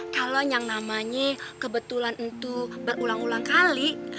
kalo yang namanya kebetulan untuk berulang ulang kali